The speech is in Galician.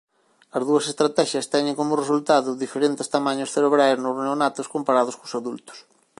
As dúas estratexias teñen como resultado diferentes tamaños cerebrais nos neonatos comparados cos adultos.